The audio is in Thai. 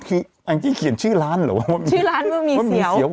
อ๋อคืออังกฤษเขียนชื่อร้านเหรอว่ามันมีเสียว